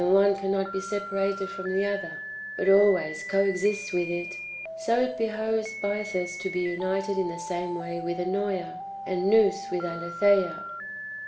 149 one cannot be separated from the other, but always co exists with it), so it behoves Bythus to be united in the same way with Ennoea, and Nous with Aletheia.